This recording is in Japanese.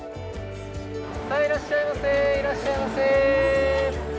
いらっしゃいませー、いらっしゃいませー。